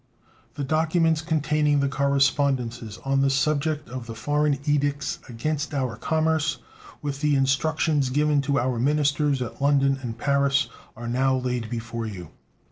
The documents containing the correspondences on the subject of the foreign edicts against our commerce, with the instructions given to our ministers at London and Paris, are now laid before you.